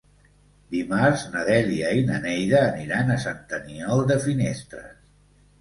Dimarts na Dèlia i na Neida aniran a Sant Aniol de Finestres.